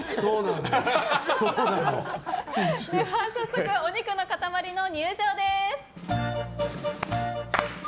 では早速お肉の塊の入場です。